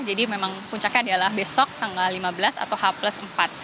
jadi memang puncaknya adalah besok tanggal lima belas atau h plus empat